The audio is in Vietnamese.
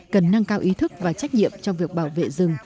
cần nâng cao ý thức và trách nhiệm trong việc bảo vệ rừng